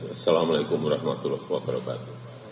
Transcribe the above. assalamu'alaikum warahmatullahi wabarakatuh